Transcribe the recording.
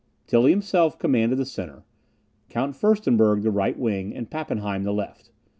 Tilly himself commanded the centre, Count Furstenberg the right wing, and Pappenheim the left.